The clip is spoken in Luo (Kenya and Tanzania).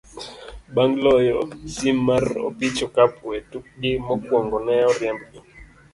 Bang' loyo tim mar opich okapu e tukgi mokwongo, ne oriembgi.